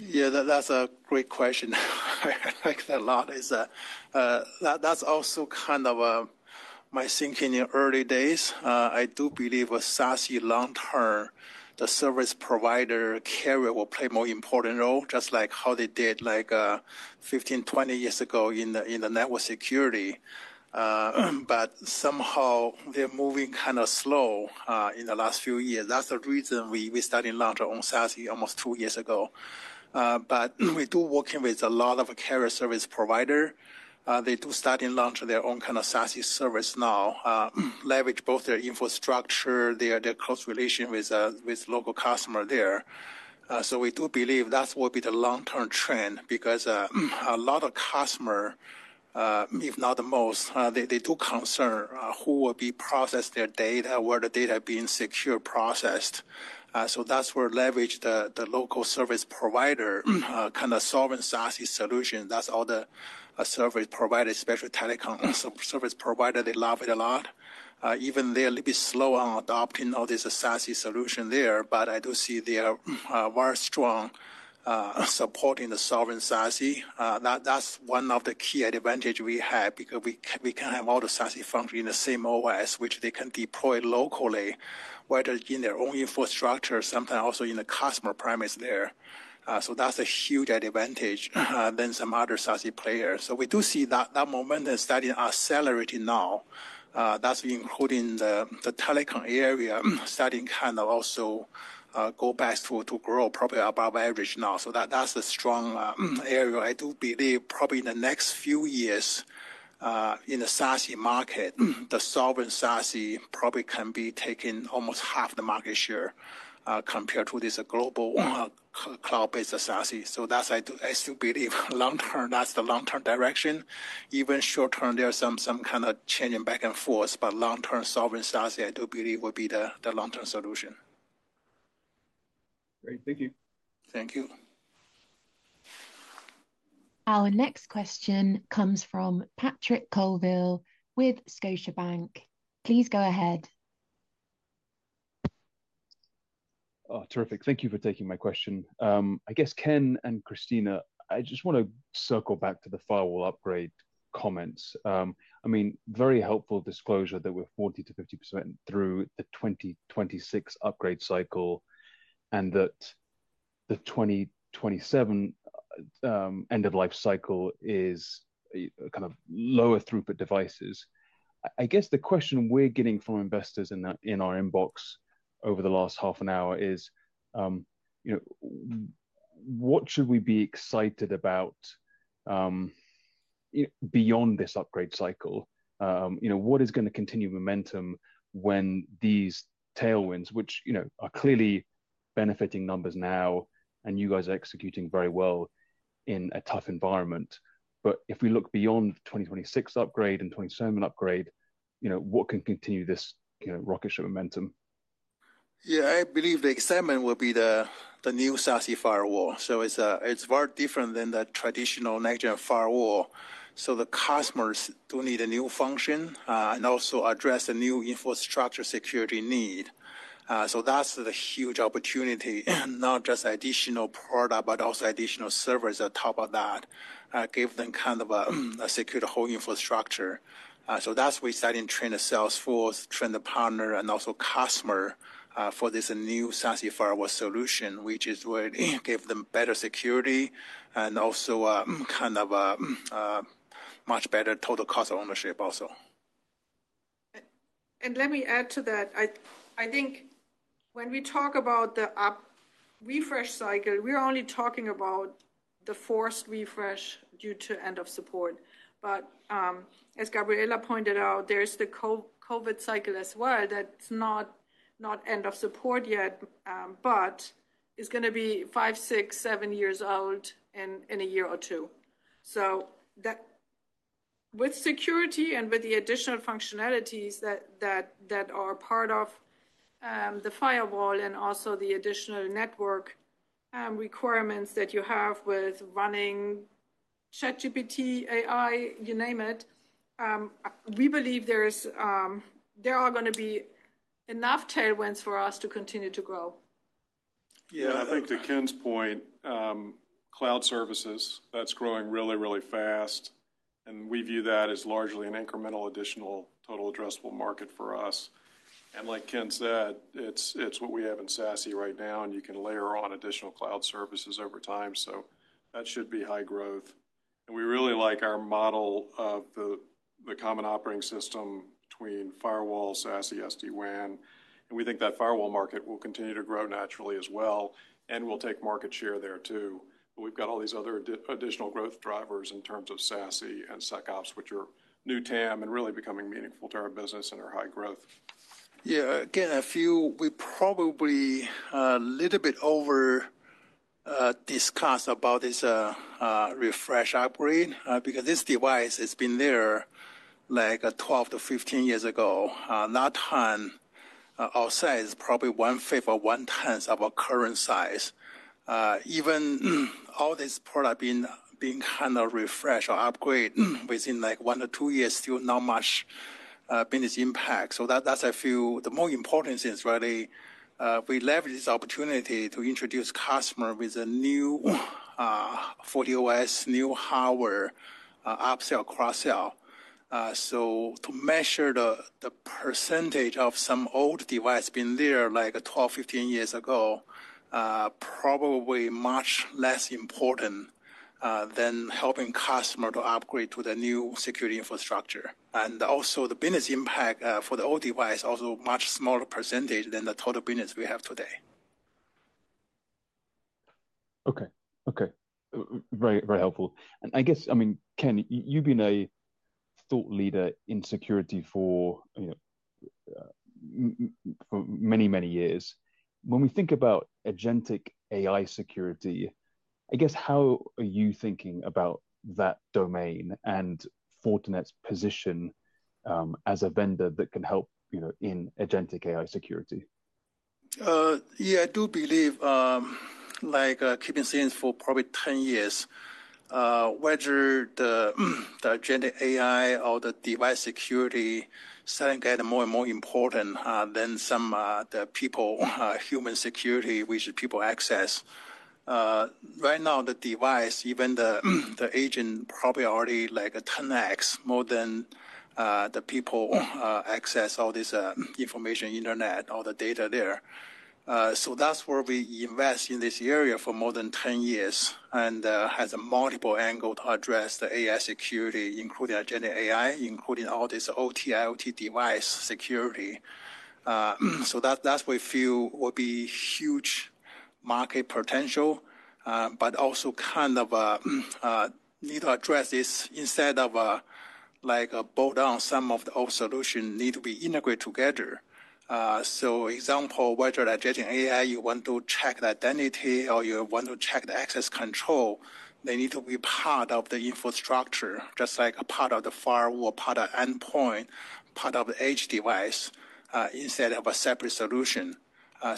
Yeah, that's a great question. I like that a lot. That's also kind of my thinking in early days. I do believe SASE long-term, the service provider carrier will play a more important role just like how they did 15, 20 years ago in network security. Somehow they're moving kind of slow in the last few years. That's the reason we started to launch our own SASE almost two years ago. We do work with a lot of carrier service providers. They are starting to launch their own kind of SASE service now, leveraging both their infrastructure and their close relation with local customers there. We do believe that will be the long-term trend because a lot of customers, if not most, do have concerns about who will process their data and where the data is being securely processed. That's where leveraging the local service provider, kind of sovereign SASE solution, comes in. All the service providers, especially telecom service providers, love it a lot. Even though they're a little bit slow on adopting all these SASE solutions, I do see they are very strong in supporting the sovereign SASE. That's one of the key advantages we have because we can have all the SASE functions in the same OS, which they can deploy locally, whether in their own infrastructure or sometimes also on the customer premises. That's a huge advantage compared to some other SASE players. We do see that momentum starting to accelerate now. That includes the telecom area, which is also starting to go back to grow probably above average now. That's a strong area I do believe probably in the next few years in the SASE market, the sovereign SASE probably can be taking almost half the market share compared to this global cloud-based SASE. I still believe long-term, that's the long-term direction. Even though short-term there's some kind of changing back and forth, long-term sovereign SASE I do believe will be the long-term solution. Great, thank you. Thank you. Our next question comes from Patrick Colville with Scotiabank. Please go ahead. Terrific. Thank you for taking my question. I guess Ken and Christiane, I just want to circle back to the firewall upgrade comments. I mean, very helpful disclosure that we're 40%-50% through the 2026 upgrade cycle and that the 2027 end of life cycle is kind of lower throughput devices. I guess the question we're getting from investors in our inbox over the last half an hour is what should we be excited about beyond this upgrade cycle? What is going to continue momentum when these tailwinds, which are clearly benefiting numbers now and you guys are executing very well in a tough environment. If we look beyond the 2026 upgrade and 2027 upgrade, what can continue this rocket ship momentum? Yeah, I believe the excitement will be the new SASE firewall. It's very different than the traditional next gen firewall. The customers do need a new function and also address the new infrastructure security need. That's the huge opportunity, and not just additional product but also additional services on top of that give them kind of a secured whole infrastructure. We're starting to train the salesforce, train the partner and also customer for this new SASE firewall solution, which is where it gave them better security and also kind of much better total cost of ownership also. Let me add to that. I think when we talk about the refresh cycle, we're only talking about the forced refresh due to end of support. As Gabriela pointed out, there's the COVID cycle as well. That's not end of support yet, but it's going to be five, six, seven years old in a year or two. With security and with the additional functionalities that are part of the firewall and also the additional network requirements that you have with running ChatGPT, AI, you name it, we believe there are going to be enough tailwinds for us to continue to grow. Yeah, I think to Ken's point, cloud services that's growing really, really fast and we view that as largely an incremental additional total addressable market for us. Like Ken said, it's what we have in SASE right now and you can layer on additional cloud services over time. That should be high growth. We really like our model of the common operating system between firewall, SASE, SD-WAN, and we think that firewall market will continue to grow naturally as well and we'll take market share there too. We've got all these other additional growth drivers in terms of SASE and SecOps, which are new TAM and really becoming meaningful to our business and our high growth. Yeah, I feel we probably a little bit over discussed about this refresh upgrade because this device has been there like 12-15 years ago. That time our size probably 1/5 or 1/10 of our current size. Even all this product being kind of refreshed or upgrade within like one or two years, still not much business impact. A few of the more important things, really, we leverage this opportunity to introduce customer with a new FortiOS, new hardware, upsell, cross-sell. To measure the percentage of some old device being there like 12, 15 years ago, probably much less important than helping customer to upgrade to the new security infrastructure. Also, the business impact for the old device also much smaller percentage than the total business we have today. Okay, very, very helpful. I guess, I mean Ken, you've been a thought leader in security for many, many years. When we think about agentic AI security, I guess how are you thinking about that domain and Fortinet's position as a vendor that can help in agentic AI security? Yeah, I do believe like keeping things for probably 10 years whether the generative AI or the device security suddenly get more and more important than some of the people human security which people access right now. The device, even the agent, probably already like a 10x more than the people access all this information Internet, all the data there. That's where we invest in this area for more than 10 years and has multiple angle to address the AI security including generative AI, including all this OT IoT device security so that we feel will be huge market potential but also kind of need to address this instead of like bow down. Some of the old solutions need to be integrated together. For example, whether adjacent AI, you want to check the identity or you want to check the access control, they need to be part of the infrastructure just like a part of the firewall, part of endpoint, part of the edge device instead of a separate solution.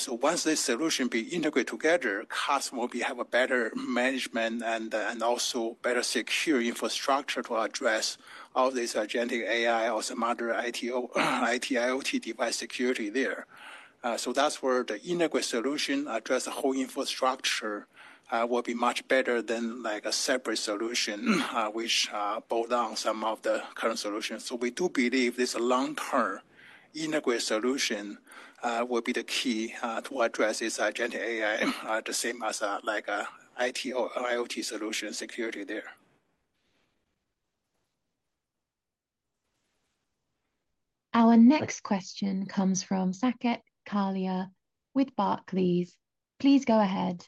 Once this solution be integrated together, customer will have a better management and also better secure infrastructure to address all this generative AI or smarter IT IoT device security there. That's where the integrated solution address the whole infrastructure will be much better than like a separate solution which bow down some of the current solutions. We do believe this long-term integrated solution will be the key to address this generative AI the same as like IT or IoT solution security there. Our next question comes from Saket Kalia with Barclays. Please go ahead.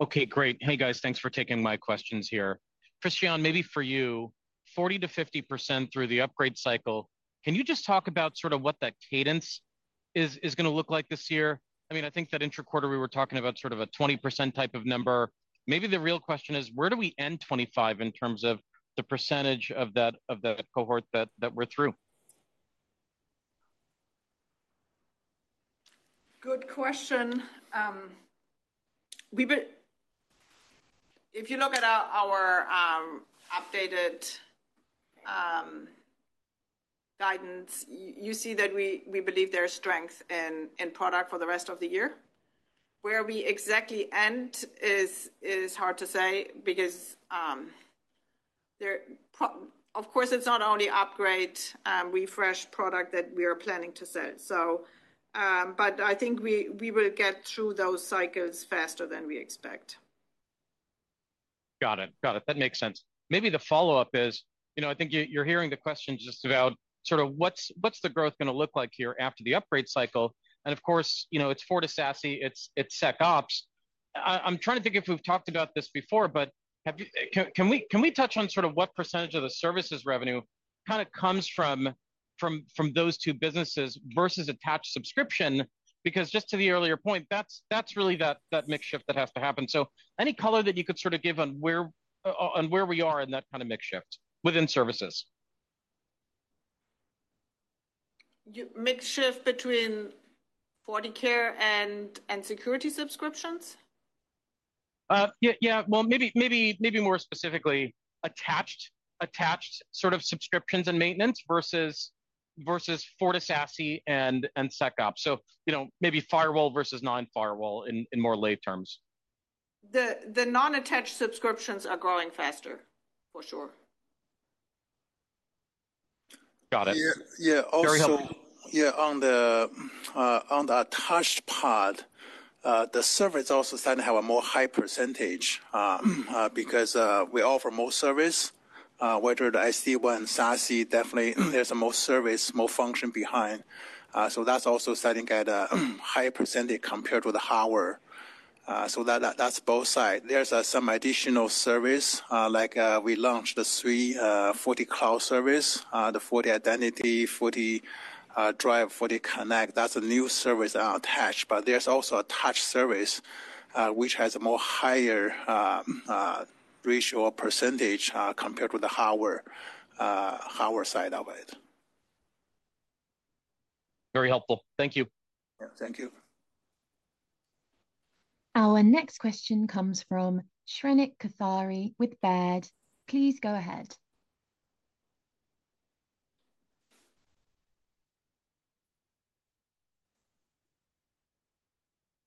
Okay, great. Hey guys, thanks for taking my questions here. Christiane, maybe for you, 40%-50% through the upgrade cycle, can you just talk about sort of what that cadence is going to look like this year? I mean I think that intra quarter we were talking about sort of a 20% type of number or maybe the real question is where do we end 25% in terms of the percentage of that cohort that we're through. Good question. If you look at our updated guidance, you see that we believe there's strength in product for the rest of the year. Where we exactly end is hard to say because of course it's not only upgrade refresh product that we are planning to sell, but I think we will get through those cycles faster than we expect. Got it. That makes sense. Maybe the follow up is I think you're hearing the question just about what's the growth going to look like here after the upgrade cycle. Of course you know it's FortiSASE, it's SecOps. I'm trying to think if we've talked about this before but have you, can we touch on sort of what percentage of the services revenue kind of comes from those two businesses versus attached subscription? Because just to the earlier point, that's really that mix shift that has to happen. Any color that you could sort of give on where we are in that kind of mix shift within services. Mix shift between FortiCare and security subscriptions. Maybe more specifically attached sort of subscriptions and maintenance versus FortiSASE and SecOps. You know, maybe firewall versus non-firewall in more lay terms. The non-attached subscriptions are growing faster for sure. Got it. Yeah. On the attached part, the service also starting to have a more high percentage because we offer more service, whether the SD-WAN, SASE, definitely there's more service, more function behind. That's also starting at a higher percentage compared to the hardware. That's both sides. There's some additional service like we launched the FortiCloud service, the FortiIdentity, FortiDrive, FortiConnect. That's a new service attached. There's also attached service which has a more higher ratio or percentage compared to the hardware side of it. Very helpful, thank you. Thank you. Our next question comes from Shrenik Kothari with Baird. Please go ahead.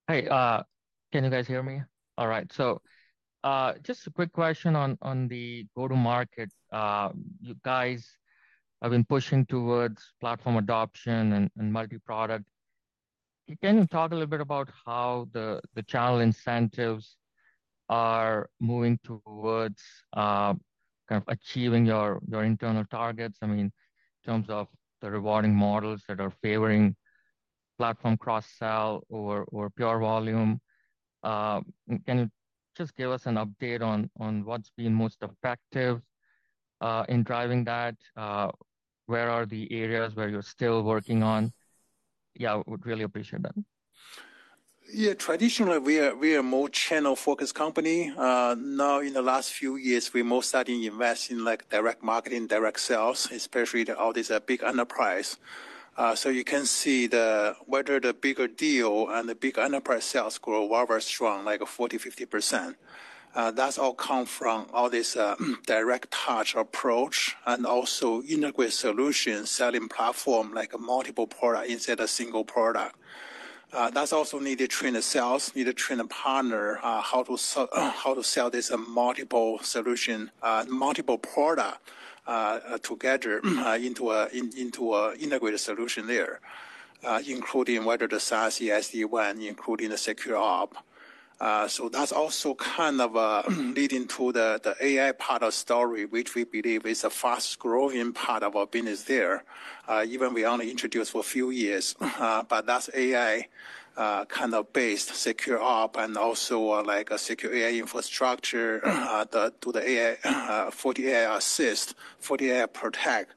Hey, can you guys hear me? All right, so just a quick question. On the go to market, you guys have been pushing towards platform adoption and multi product. Can you talk a little bit about how the channel incentives are moving towards achieving your internal targets? I mean in terms of the rewarding models that are favoring platform cross-sell or pure volume. Can you just give us an update on what's been most effective in driving that? Where are the areas where you're still working on? Yeah, I would really appreciate that. Yeah. Traditionally, we are a more channel-focused company. Now, in the last few years, we mostly started to invest in direct marketing, direct sales, especially all these big enterprise. You can see whether the bigger deal and the big enterprise sales grow rather strong, like 40%, 50%. That's all come from all this direct touch approach and also integrated solutions selling platform, like a multiple product instead of single product. That's also needed to train the sales, need to train a partner how to sell this multiple solution, multiple product together into an integrated solution there, including whether the SASE, SD-WAN, including the secure arc. That's also kind of leading to the AI part of story, which we believe is a fast-growing part of our business there. Even we only introduced for a few years, but that's AI kind of based secure op and also like a secure AI infrastructure to the FortiAI Assist, FortiAI Protect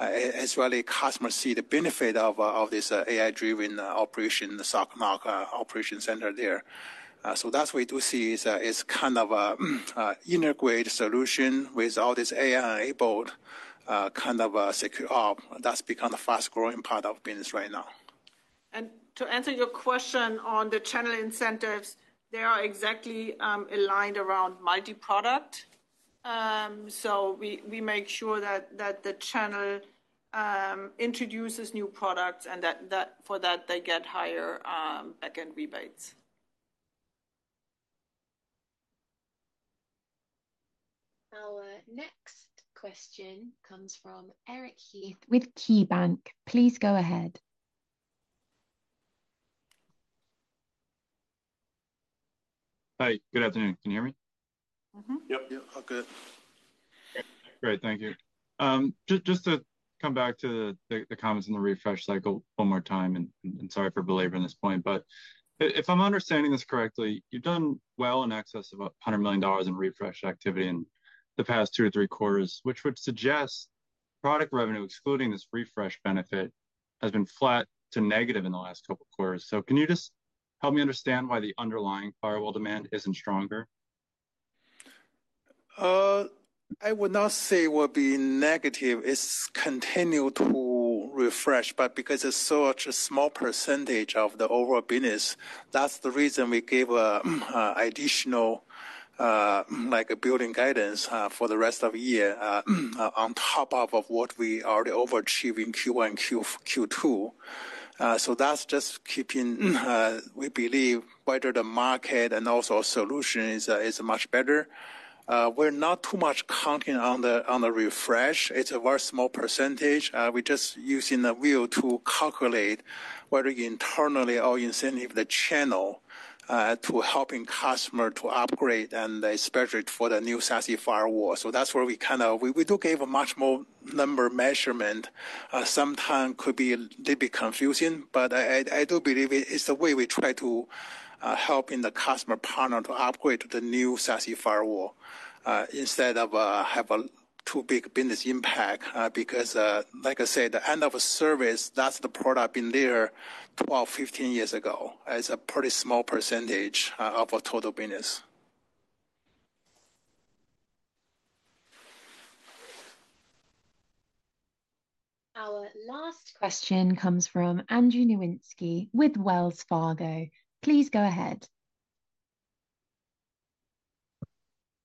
as well. The customers see the benefit of this AI-driven operation, SOC, mark operation center there. That's what we do see. It's kind of integrated solution with all this AI bold kind of secure up that's become a fast-growing part of business right now. To answer your question on the channel incentives, they are exactly aligned around multi-product. We make sure that the channel introduces new products and that for that they get higher backend rebates. Our next question comes from Eric Heath with KeyBanc. Please go ahead. Hi, good afternoon. Can you hear me? Yep, yep. Great, thank you. Just to come back to the comments and the refresh cycle one more time, if I'm understanding this correctly, you've done well in excess of $100 million in refresh activity in the past 2-3 quarters, which would suggest product revenue excluding this refresh benefit has been flat to negative in the last couple quarters. Can you just help me understand why the underlying firewall demand isn't stronger? I would not say will be negative. It's continue to refresh, but because it's such a small percentage of the overall business, that's the reason we gave additional, like a billings guidance for the rest of the year on top of what we already overachieved in Q1, Q2. That's just keeping, we believe, see whether the market and also solutions is much better. We're not too much counting on the refresh. It's a very small percentage. We're just using the wheel to calculate, whether you internally or incentive the channel to helping customer to upgrade, and especially for the new SASE firewall. That's where we kind of, we do gave a much more number measurement, sometime could be a little bit confusing. I do believe it's the way we try to help in the customer partner to upgrade to the new SASE firewall instead of have a too big business impact. Like I said, the end of a service, that's the product been there 12, 15 years ago. It's a pretty small percentage of a total business. Our last question comes from Andrew Nowinski with Wells Fargo. Please go ahead.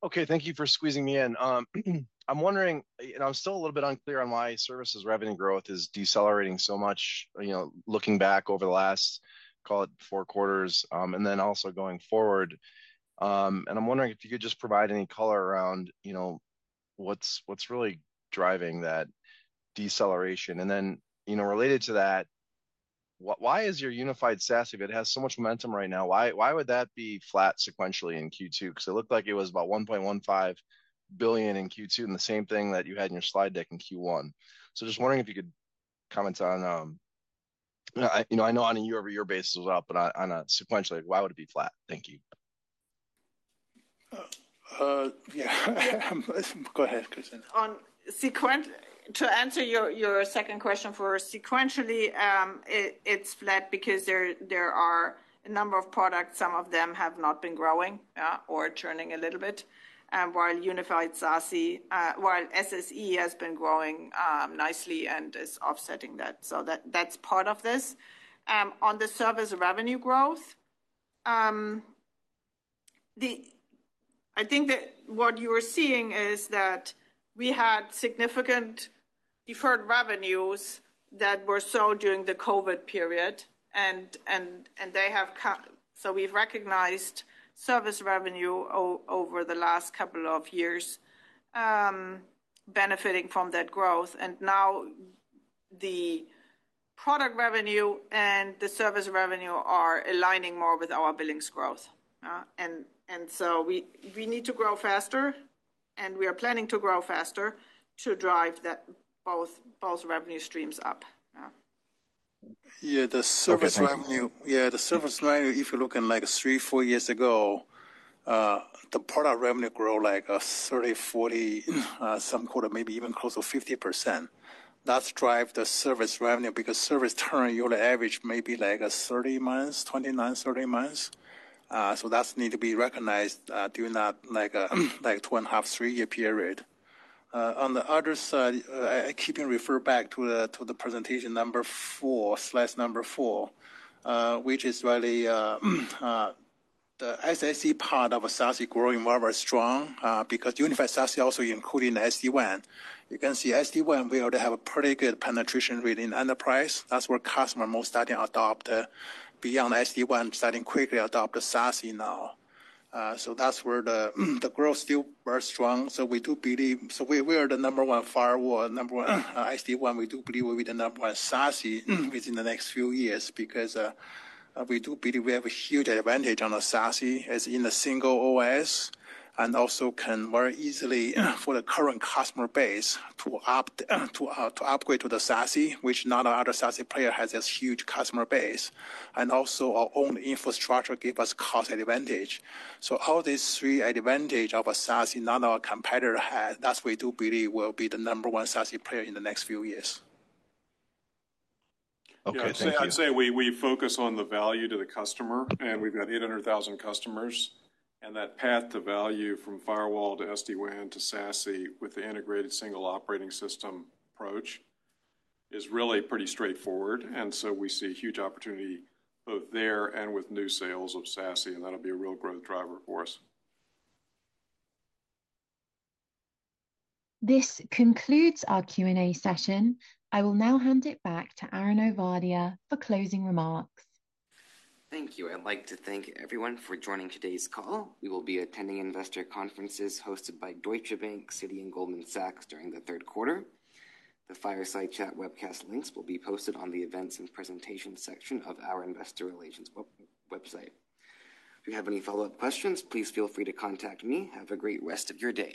Okay, thank you for squeezing me in. I'm wondering, I'm still a little bit unclear on why service revenue growth is decelerating so much. Looking back over the last call, it. 4/4, and then also going forward, I'm wondering if you could just provide any color around what's really driving that deceleration and then, you know, related to that, why is your Unified SASE bit has so much momentum right now? Why would that be flat sequentially in Q2? Because it looked like it was about $1.15 billion in Q2 and the same thing that you had in your slide deck in Q1. I was just wondering if you could comment on that. You know, I know on a year-over-year basis was up sequentially, why would it be flat? Thank you. Yeah, go ahead. On sequential, to answer your second question, for sequentially it's flat because there are a number of products. Some of them have not been growing or churning a little bit, while Unified SASE, while SSE, has been growing nicely and is offsetting that. That's part of this. On the service revenue growth, I think that what you are seeing is that we had significant deferred revenues that were sold during the COVID period, and they have. We've recognized service revenue over the last couple of years, benefiting from that growth. Now the product revenue and the service revenue are aligning more with our billings growth. We need to grow faster, and we are planning to grow faster to drive both revenue streams up. Yeah, the service revenue, yeah the service revenue if you're looking like three, four years ago the product revenue grow like 30%, 40%, some quarter, maybe even close to 50% that drive the service revenue because service turn yearly average may be like 30 months, 29, 30 months. That needs to be recognized during that two and a half, three year period. On the other side, I keep referring back to the presentation number four slash number four, which is really the SAC part of SASE growing very strong because Unified SASE also including SD-WAN. You can see SD-WAN, we already have a pretty good penetration within enterprise. That's where customers most starting to adopt beyond SD-WAN, starting quickly adopt SASE now. That's where the growth still very strong. We do believe we are the number one firewall, number one SD-WAN. We do believe we will end up with SASE within the next few years because we do believe we have a huge advantage on the SASE as in the single OS and also can very easily for the current customer base to upgrade to the SASE, which not other SASE players has this huge customer base and also our own infrastructure give us cost advantage. All these three advantages of a SASE, none of our competitors has. That's why we do believe we will be the number one SASE player in the next few years. Okay. I'd say we focus on the value to the customer, and we've got 800,000 customers, and that path to value from firewall to SD-WAN to SASE with the integrated single operating system approach is really pretty straightforward. We see huge opportunities both there and with new sales of SASE, and that'll be a real growth driver for us. This concludes our Q&A session. I will now hand it back to Aaron Ovadia for closing remarks. Thank you. I'd like to thank everyone for joining today's call. We will be attending investor conferences hosted by Deutsche Bank, Citi, and Goldman Sachs during the third quarter. The Fireside Chat webcast links will be posted on the Events and Presentation section of our investor relations website. If you have any follow up questions, please feel free to contact me. Have a great rest of your day.